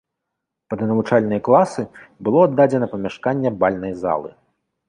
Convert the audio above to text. Пад навучальныя класы было аддадзена памяшканне бальнай залы.